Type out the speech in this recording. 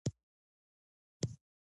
په زده کړه کې باید هېڅ ډول تبعیض نه وي.